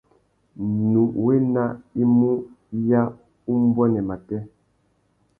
Nnú wena i mú ya umbuênê matê.